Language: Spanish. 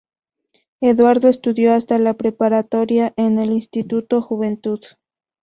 Eduardo estudió hasta la preparatoria en el Instituto Juventud.